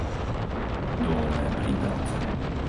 Dolné Príbelce